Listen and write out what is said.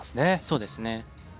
そうですね。